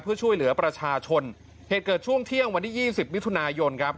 เพื่อช่วยเหลือประชาชนเหตุเกิดช่วงเที่ยงวันที่ยี่สิบมิถุนายนครับ